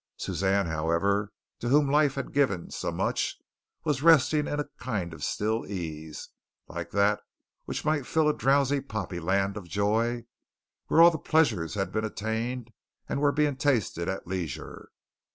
Suzanne, however, to whom life had given so much, was resting in a kind of still ease, like that which might fill a drowsy poppyland of joy where all the pleasures had been attained and were being tasted at leisure.